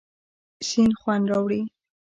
سیند خوند راوړي.